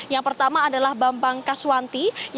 yang pertama adalah bambang kaswanti